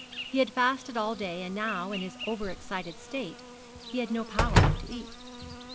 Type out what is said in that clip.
He had fasted all day, and now, in his over excited state, he had no power to eat.